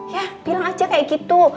ya bilang aja kayak gitu